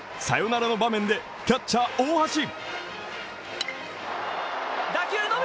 サヨナラの場面でキャッチャー・大橋。